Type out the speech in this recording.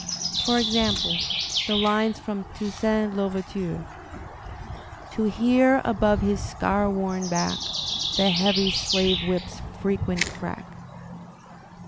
Por example the lines from "Toussaint L'Ouver^ ture'*: To hear above his scar worn back The heavy slave whip's frequent crack.